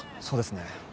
そうですね。